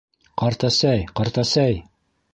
— Ҡартәсәй, ҡартәсәй!